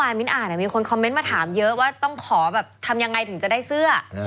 มิ้นอ่านมีคนคอมเมนต์มาถามเยอะว่าต้องขอแบบทำยังไงถึงจะได้เสื้อ